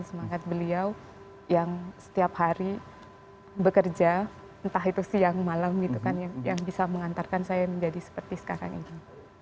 semangat beliau yang setiap hari bekerja entah itu siang malam gitu kan yang bisa mengantarkan saya menjadi seperti sekarang ini